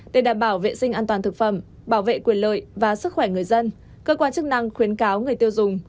để đảm bảo vệ sinh an toàn thực phẩm bảo vệ quyền lợi và sức khỏe người dân cơ quan chức năng khuyến cáo người tiêu dùng